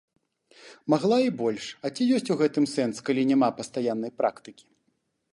Магла і больш, а ці ёсць у гэтым сэнс, калі няма пастаяннай практыкі?